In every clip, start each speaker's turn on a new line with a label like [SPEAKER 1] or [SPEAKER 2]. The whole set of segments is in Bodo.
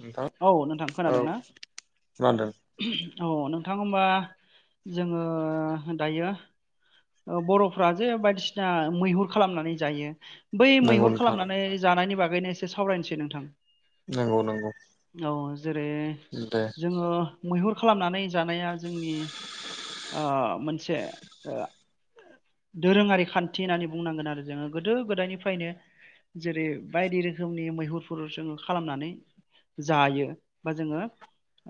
[SPEAKER 1] नोंथां
[SPEAKER 2] औ नोंथां
[SPEAKER 1] औ
[SPEAKER 2] खोनादों ना?
[SPEAKER 1] खोनादों
[SPEAKER 2] औ नोंथां होमबा जोङो दायो ओ बर'फ्रा जे बायदिसिना मैहुर खालामनानै जायो। बै
[SPEAKER 1] नंगौ
[SPEAKER 2] मैहुर
[SPEAKER 1] नोंथां
[SPEAKER 2] खालामनानै जानायनि बागैनो एसे सावरायनोसै नोंथां।
[SPEAKER 1] औ नोंगौ।
[SPEAKER 2] औ जेरै
[SPEAKER 1] दे
[SPEAKER 2] जोङो मैहुर खालामनानै जानाया जोंनि ओ मोनसे ओ दोरोङारि खान्थि होननानै बुंनांगोन आरो जोङो गोदो गोदायनिफ्रायनो जेरै बायदि रोखोमनि मैहुरफोर जोङो खालामनानै जायो बा जोङो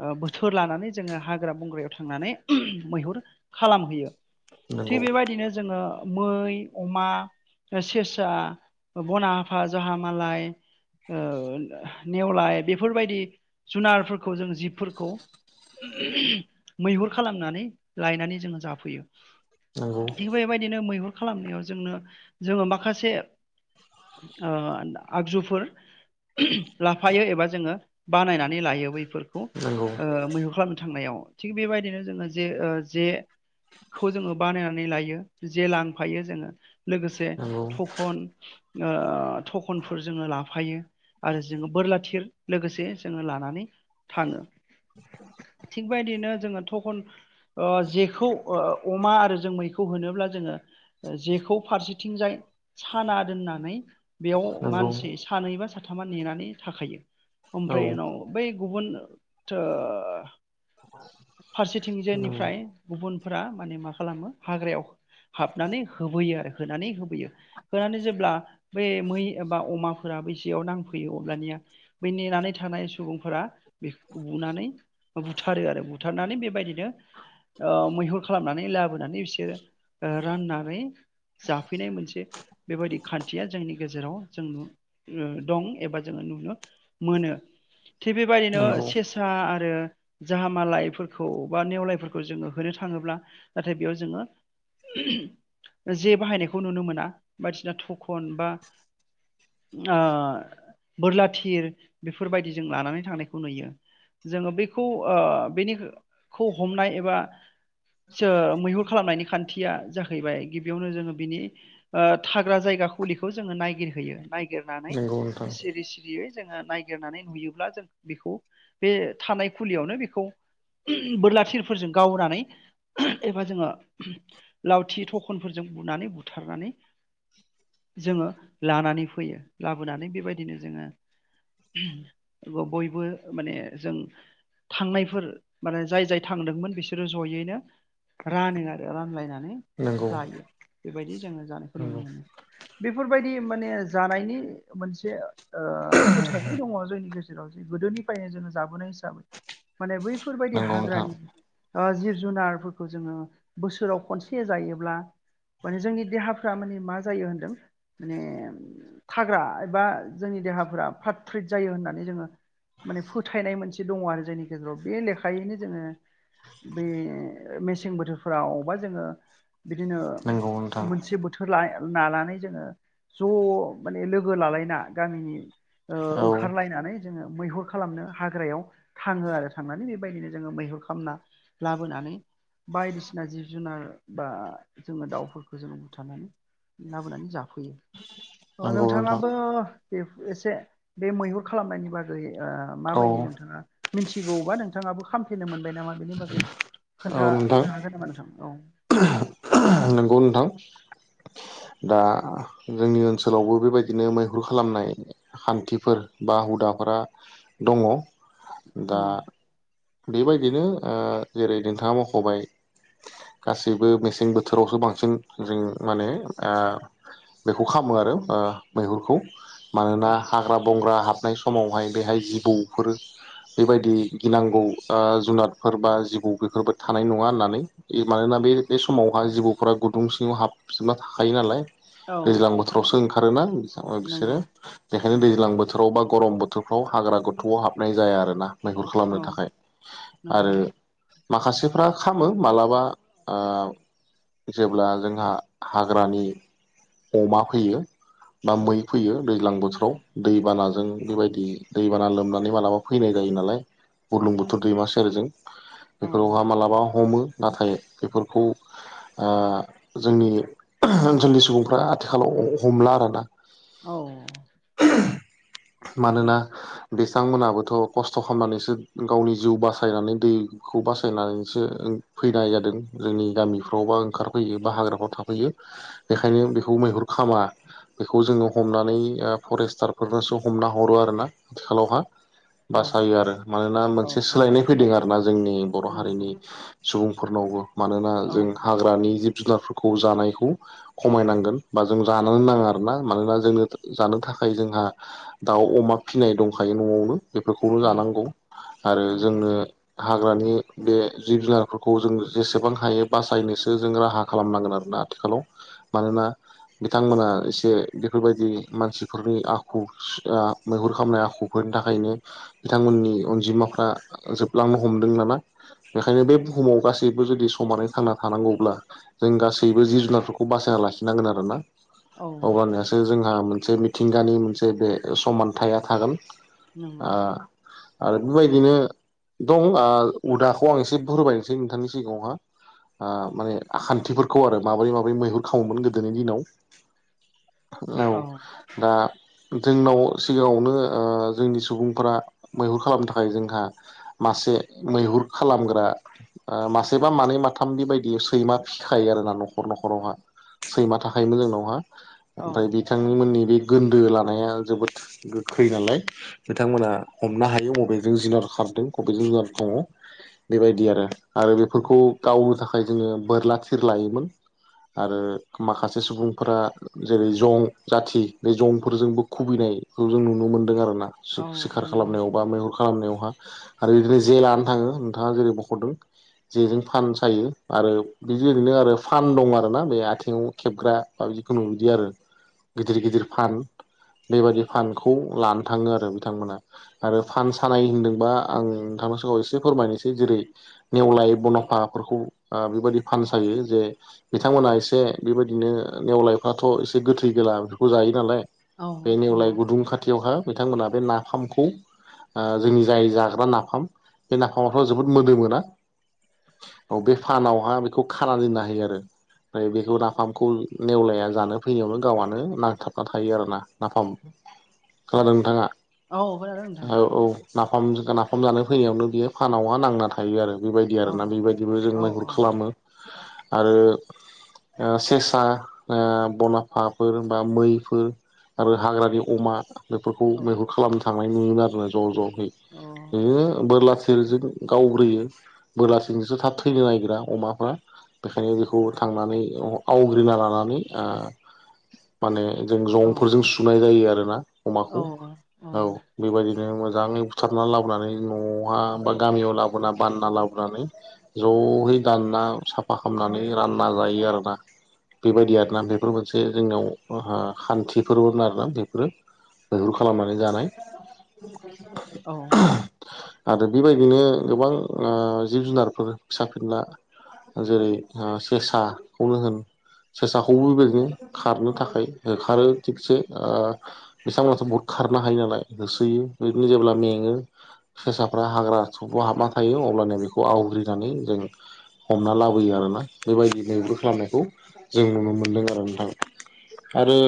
[SPEAKER 2] ओ बोथोर लानानै जोङो हाग्रा बंग्रायाव थांनानै मैहुर खालाम हैयो।
[SPEAKER 1] नंगौ
[SPEAKER 2] थिग बेबायदिनो जोङो मै, अमा ओ सेरसा ओ बन आफा, जहा मालाय ओ नेवलाय बेफोरबायदि जुनारफोरखौ जों जिबफोरखौ मैहुर खालामनानै लायनानै जोङो जाफैयो।
[SPEAKER 1] नंगौ
[SPEAKER 2] थिग बेबायदिनो मैहुर खालामनायाव जोंनो जोङो माखासे ओ दा आगजुफोर लाफायो एबा जोङो बानायनानै लायो बैफ फोरखौ
[SPEAKER 1] नंगौ
[SPEAKER 2] ओ मैहुर खालामनो थांनायाव थिग बेबायदिनो जोङो जे ऐ जेखौ जोङो बानायनानै लायो। जे लांफायो जोङो लोगोसे
[SPEAKER 1] नंगौ
[SPEAKER 2] थखन ओ थखनफोर जोङो लाफायो। आरो जोङो बोरलाथिर लोगोसे जोङो लानानै थाङो। थिग बायदिनो जोङो थखन ओ जेखौ ओ अमा ओ जों मैखौ होनोब्ला जोङो ओ जेखौ फारसेथिंजाय साना दोननानै बेयाव
[SPEAKER 1] नंगौ
[SPEAKER 2] मानसि सानै बा साथामा नेनानै थाखायो।
[SPEAKER 1] औ
[SPEAKER 2] ओमफ्राय उनाव बै गुबुन थो फारसेथिं
[SPEAKER 1] नंगौ
[SPEAKER 2] जायनिफ्राय गुबुनफोरा माने मा खालामो हाग्रायाव हाबनानै होबोयो आरो होनानै होबोयो। होनानै जेब्ला बे मै एबा अमाफोरा बै जेयाव नांफैयो अब्लानिया बै नेनानै थानाय सुबुंफोरा बेखौ बुनानै ओ बुथारो आरो बुथ थारनानै बेबायदिनो ओ मैहुर खालामनानै लाबोनानै बिसोरो ओ राननानै जाफैनाय मोनसे बेबायदि खान्थिया जोंनि गेजेराव जोंनो ओ दं एबा जोङो नुनो मोनो। थिग बेबायदिनो
[SPEAKER 1] नंगौ
[SPEAKER 2] सेस सा आरो जाहा मालायफोरखौ बा नेवलायफोरखौ जोङो होनो थाङोब्ला नाथाय बेयाव जोङो जे बाहायनायखौ नुनो मोना। बायदिसिना थखन बा ओ बोरला थिर बेफोरबायदि जों लानानै थांनायखौ नुयो। जोङो बैखौ ओ बैनिखौ हमनाय एबा सो मैहुर खालामनायनि खान्थिया जाहैबाय गिबियावनो जोङो बिनि ओ थाग्रा जायगा खुलिखौ जोङो नायागिर हैयो। नायगिरनानै
[SPEAKER 1] नंगौ नोंथां
[SPEAKER 2] सिरि सिरियै जोङो नायागिरनानै नुयोब्ला जों बेखौ बे थानाय फुलियावनो बेखौ बोरला थिरफोरजों गावनानै एबा जोङो लावथि थखनफोरजों बुनानै बुथारनानै जोङो लानानै फैयो लाबोनानै बेबायदिनो जोङो। आरोबाव बयबो माने जों थांनायफोर माने जाय जाय थांदोंमोन बिसोरो जयैनो रानो आरो रानलायनानै
[SPEAKER 1] नंगौ
[SPEAKER 2] जायो बेबायदि जोङो जानायखौ नुनो
[SPEAKER 1] नंगौ
[SPEAKER 2] मोनो बेफोरबायदि माने जानायनि मोनसे ओ फोथायनाय दङ जोंनि गेजेर राव जे गोदोनिफ्रायो जोङो जाबोनाय हिसाबै माने बैफोरबायदि
[SPEAKER 1] नंगौ नोंथां
[SPEAKER 2] हाग्रानि ओ जिब जुनारफोरखौ जोङो बोसोराव खनसे जायोब्ला माने जोंनि देहाफ्रा माने मा जायो होनदों माने थाग्रा एबा जोंनि देहाफोरा फ्राद फ्रिद जायो होननानै जोङो माने फोथायनाय मोनसे दङ आरो जोंनि गेजेराव बे लेखायैनो जोङो बे ओ मेसें बोथोरफ्राव बा जोङो बिदिनो
[SPEAKER 1] नंगौ नोंथां
[SPEAKER 2] मोनसे बोथो होरलाय नालानै जोङो ज' माने लोगो लालायना गामिनि ओ
[SPEAKER 1] औ
[SPEAKER 2] ओंखारलायनानै जोङो मैहुर खालामनो हाग्रायाव थाङो आरो थांनानै बेबायदिनो जोङो मैहुर खामना लाबोनानै बायदिसिना जिब जुनार बा जोङो दाउफोरखौ जोङो बुथारनानै लाबोनानै जाफैयो ओ
[SPEAKER 1] नंगौ नोंथां
[SPEAKER 2] नोंथाङाबो बे एसे बे मैहुर खालामनायनि बागै ओ
[SPEAKER 1] औ
[SPEAKER 2] माबायदि नोंथाङा मिथिगौबा नोंथाङाबो खामफेनो मोनबाय नामा बेनि बागै खोन्थानो हागोन नामा नोंथां औ
[SPEAKER 1] [unintelligible] नोंगौ नोंथां दा जोंनि ओनसोलावबो बेबायदिनो मैहुर खालामनाय खान्थिफोर बा हुदाफोरा दङ
[SPEAKER 2] औ
[SPEAKER 1] दा बेबायदिनो ओ जेरै नोंथाङा मख'बाय गासैबो मेसें बोथोरावसो बांसिन जों माने आ बेखौ खाम्मो आरो ओ मैहुरखौ मानोना
[SPEAKER 2] औ
[SPEAKER 1] हाग्रा बंग्रा हाबनाय स समावहाय बेहाय जिबौफोरो बेबायदि गिनांगौ आ जुनादफोर बा जिबौ बेफोरबाय थानाय नङा होननानै इ मानोना बे बे समावहाय जिबौफोरा गुदुं सिङाव हाबजोबना थाखायो नालाय
[SPEAKER 2] औ
[SPEAKER 1] दैज्लां बोथोरावसो ओंखारोना बिसो बिसोरो
[SPEAKER 2] नंगौ औ
[SPEAKER 1] बेखायनो दैज्लां बोथो बोथोराव बा गरम बोथोरफ्राव हाग्रा गोथौआव हाबनाय जाया आरोना मैहुर खालामनो
[SPEAKER 2] औ
[SPEAKER 1] थाखाय
[SPEAKER 2] नंगौ
[SPEAKER 1] आरो माखासेफ्रा खामो मालाबा आ जेब्ला जोंहा हाग्रानि अमा फैयो बा मै फैयो दैज्लां बोथोराव दैबानाजों बेबायदि दैबाना लोमनानै मालाबा फैनाय जायो नालाय बुरलुं बुथोर दैमा सेरजों
[SPEAKER 2] औ
[SPEAKER 1] बेफोरावहा मालाबा हमो नाथाय बेफोरखौ आ जोंनि [unintelligible] ओनसोलनि सुबुंफ्रा आथिखालाव अह हमला आरोना
[SPEAKER 2] औ
[SPEAKER 1] [unintelligible] मानोना
[SPEAKER 2] नंगौ
[SPEAKER 1] बिसांमोनाबोथ' खस्थ' खामनानैसो गावनि जिउ बासायनानै दै खौ बासायनानैसो फैनाय जादों जोंनि गामिफ्राव बा ओंखारफैयो बा हाग्राफ्राव थाफैयो बेखायनो बिखौ मैहुर खामा बेखौ जोङो हमनानै ओ फरेस्टारफोरनोसो हमना हरो आरोना थिखालावहा
[SPEAKER 2] औ
[SPEAKER 1] बासायो आरो मानोना
[SPEAKER 2] औ
[SPEAKER 1] मोनसे सोलायनाय फैदों आरोना जोंनि बर' हारिनि
[SPEAKER 2] नंगौ
[SPEAKER 1] सुबुंफोरनावबो मानोना
[SPEAKER 2] औ
[SPEAKER 1] जों हाग्रानि जिब जुनारफोरखौ जानायखौ खमायनांगोन बा जों जानोनो नाङा आरोना मानोना जोंनो जानो थाखाय जोंहा दाउ अमा फिनाय दंखायो न'आवनो बेफोरखौनो
[SPEAKER 2] औ
[SPEAKER 1] जानांगौ आरो
[SPEAKER 2] नंगौ
[SPEAKER 1] जोंनो हाग्रानि बे जिब जुनारफोरखौ जों जेसेबां हायो बासायनोसो जों राहा खालामनांगोन आरोना आथिखालाव मानोना बिथांमोना एसे बेफोरबायदि मानसिफोरनि आखु आ मैहुर खामनाय आखुफोरनि थाखायनो बिथांमोननि अनजिमाफ्रा जोबलांनो हमदों नामा बेखायनो बे बुहुमाव गासिब [unintelligible] जुदि समानो थांना थानांगौब्ला जों गासैबो जिब जुनारफोरखौ बासायना लाखिनांगोन आरो ना
[SPEAKER 2] औ
[SPEAKER 1] अब्लानोसो जोंहा मोनसे मिथिंगानि मोनसे बे समानथाया थागोन
[SPEAKER 2] नंगौ
[SPEAKER 1] ओ। आरो बेबायदिनो दं ओ उदाखौ आं एसे बुरमायनोसै नोंथांनिसि सिगाङावहा ओ माने आखान्थिफोरखौ आरो माबोरै माबोरै मैहुर खावोमोन गोदोनि दिनाव
[SPEAKER 2] [inaudible]
[SPEAKER 1] औ दा जोंनाव सिगाङावनो ओ जोंनि सुबुंफोरा मैहुर खालामनो थाखाय जोंहा मासे मैहुर खालामग्रा ओ‌ मासेबा मानै माथामनि बायदि सैमा फिखायो आरोना न'खर न'खरावहा। सैमा थाखायोमोन जोंनावहा
[SPEAKER 2] औ
[SPEAKER 1] ओमफ्राय बिथांनिमोननि बे गोन्दो लानाया जोबोद गोखै नालाय बिथांमोना हमनो हायो अबेजों जुनार खारदों अबेजों जुनार दङ। बेबायदि आरो आरो बेफोरखौ गावनो थाखाय जोङो बोरला थिर लायोमोन। आरो माखासे सुबुंफोरा जेरै जं जाथि बे जंफोरजोंबो खुबैनायखौ जों नुनो मोनदों आरोना।
[SPEAKER 2] औ
[SPEAKER 1] सिख सिखार
[SPEAKER 2] नंगौ
[SPEAKER 1] खालामनायाव बा मैहुर खालामनायावहा आरो बिदिनो जे लानो थाङो नोंथाङा जेरै बखरदों। जेजों फान सायो आरो बिदि ओरैनो आरो फान दं आरोना बे आथिङाव खेबग्रा। बा बिदि खुनु बिदि आरो गिदिर गिदिर फान। बेबादि फानखौ लानो थाङो आरो बिथांमोना। आरो फान सानाय होनदोंबा आं नोंथांनि सिगाङाव एसे फोरमायनोसै जेरै नेवलाय बनहाफाफोरखौ ओ बेबायदि फान सायो जे बिथांमोनहा एसे बेबायदिनो नेवलायफ्राथ' एसे गोथै गोला बेफोरखौ जायो नालाय
[SPEAKER 2] औ
[SPEAKER 1] बे नेवलाय
[SPEAKER 2] नंगौ
[SPEAKER 1] गुदुं खाथियावहा बिथांमोनहा बे नाफामखौ ओ जोंनि जाय जाग्रा नाफाम बे नाफामआथ' जोबोद मोदोमोना। औ बे फानावहा बेखौ खाना दोननो हायो आरो। ओमफ्राय बेखौ नाफामखौ नेवलाया जानो फैनायावनो गावआनो नांथाबना थायो आरोना नाफाम। खोनादों नोंथाङा?
[SPEAKER 2] औ खोनादों नोंथां
[SPEAKER 1] औ औ नाफाम नाफाम जानो फैनायावनो बियो फानावहा नांना थायो आरो। बेबायदि
[SPEAKER 2] औ
[SPEAKER 1] आरोना बेबायदिबो जों
[SPEAKER 2] औ
[SPEAKER 1] मैहुर
[SPEAKER 2] औ
[SPEAKER 1] खालामो आरो ओ सेसा ओ बन हाफाफोर बा मैफोर आरो हाग्रानि अमा बेफोरखौ
[SPEAKER 2] औ
[SPEAKER 1] मैहुर खालामनो थांनाय नुयोमोन आरोना ज' ज'है बिदिनो बोरला थिरजों गावग्रोयो बोरलाजोंसो थाब थैनो नागिरा अमाफ्रा बेखायनो बेखौ थांनानै औ आवग्रिना लानानै आ माने जों
[SPEAKER 2] औ
[SPEAKER 1] जंफोरजों सुनाय जायो आरोना अमाखौ
[SPEAKER 2] औ
[SPEAKER 1] औ बेबायदि नो मोजाङै बुथारना लाबोनानै न'आवहा बा गामियाव लाबोना बानना लाबो नानै ज'यै दानना साफा खालामनानै रानना जायो आरोना। बेबायदि आरोना बेफोर मोनसे जोंनियाव ओ खान्थिफोरमोन आरोना बेफोरो मैहुर खालामनानै जानाय। आरो बेबायदिनो गोबां ओ जिब जुनारफोर फिसा फिनला जेरै ओ सेसाखौनो होन सेसाखौबो बेबादिनो खारनो थाखाय होखारो थिगसे ओ बिथांमोनाथ' बहुद खारनो हायो नालाय होसोयो बिदिनो जेब्ला मेङो फेसाफ्रा हाग्रा सुबाव हाबना थायो अब्लानो बेखौ आवग्रिनानै जों हमना लाबोयो आरोना बेबायदि जोङो बोख्लामनायखौ जों नुनो मोनदों आरो नोंथां। आरो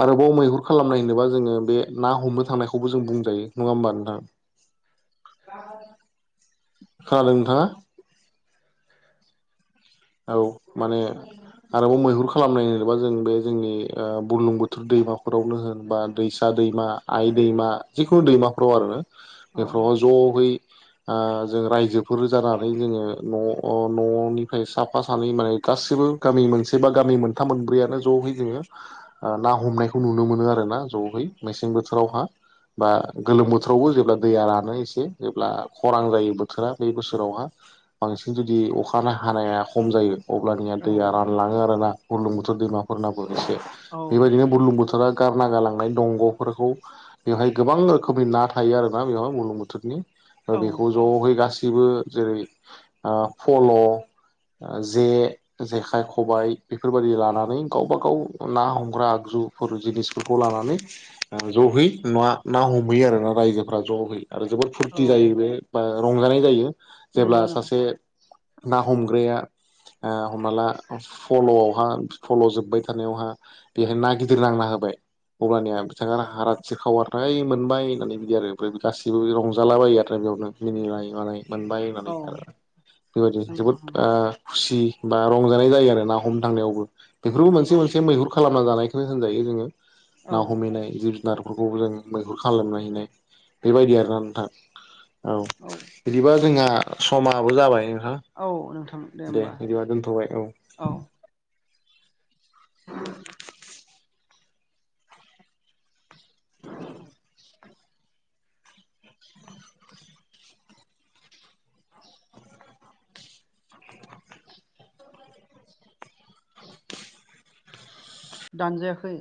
[SPEAKER 1] आरोबाव मैहुर खालामनाय होनोबा जोङो बे ना हमनो थांनायखौबो जों बुंजायो नङा होमबा नोंथां?
[SPEAKER 2] [inaudible]
[SPEAKER 1] खोनादों नोंथाङा? औ माने आरोबाव मैहुर खालामनाय होनोबा जों बे जोंनि ओ बुर्लुंबुथुर दैमाफोरावनो होन बा दैसा दैमा आइ दैमा जिखुनु दैमाफ्राव आरो बेफोराव ज हैय ओ-जों रायजोफोर जानानै जोङो न ननिफ्राय साफ सा सानै माने गासिबो गामि मोनसे बा गामि मोनथाम मोनब्रैयानो जयै जोङो। ओ-ना हमनायखौ नुनो मोनो आर ना ज हैय मेसें बोथोरावहा। बा गोलोम बोथोरावबो जेब्ला दैया रानो एसे जेब्ला खरां जायो बोथोरा बे बोसोरावहा। बांसिन जुदि अखानो हानाया। खम जायो अब्लानिया दैया रानलाङो आरोना गुरलुंबुथुर दैमाफोरनाबो एसे।
[SPEAKER 2] औ
[SPEAKER 1] बेबायदिनो बुरलुंबुथुरा गारना गालांनाय दंगफोरखौ बेवहाय गोबां रोखोमनि ना थायो आरोना बेवहाय बुरलुंबुथुरनि।
[SPEAKER 2] औ
[SPEAKER 1] बेखौ जहै गासिबो जेरै ओ-फल जे जेखाय खबाय बेफोरबायाददि लानानै गावबा गाव ना हमग्रा आगजु बरुरु जिनिसफोरखौ लानानै। जहै ना ना हमहैयो आरो ना रायजोफोरा जहै आरो जोबोद।
[SPEAKER 2] औ
[SPEAKER 1] फुरथि जायो बे बा रंजानाय जायो जेब्ला
[SPEAKER 2] नंगौ नंगौ
[SPEAKER 1] सासे ना हमग्राया। ओ-हमना ला फलआवहा फल जोबबाय थानायावहा। बेहाय ना गिदिर नांना होबाय। अब्लानिया बिथाङा हाराथि [unintelligible] मोनबाय होननानै बिदि आरो ओमफ्राय गासिबो रंजाला बायो आरो बेयावनो। मिनिलाय मालानाय मोनबाय
[SPEAKER 2] औ
[SPEAKER 1] होननानै आरो बेबायदि
[SPEAKER 2] नंगौ
[SPEAKER 1] जोबोद
[SPEAKER 2] नंगौ
[SPEAKER 1] ओ खुसि बा रंजानाय जायो आरो ना हमनो थांनायावबो बेफोरबो मोनसे
[SPEAKER 2] नंगौ
[SPEAKER 1] मोनसे मैहुर खालामना जानायखौनो होनजायो जोङो
[SPEAKER 2] औ
[SPEAKER 1] ना हमैनाय ज जुनारफोरखौबो जों मैहुर खालामना हैनाय बेबायदि आरोना नोंथां। औ बिदिबा
[SPEAKER 2] नोंथां
[SPEAKER 1] जोंहा समाबो जाबाय नोंथां।
[SPEAKER 2] औ नोंथां
[SPEAKER 1] दे बिदिबा दोनथबाय औ।
[SPEAKER 2] औ [unintelligible] दानजायाखै।